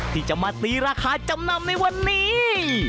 ที่จะมาตีราคาจำนำในวันนี้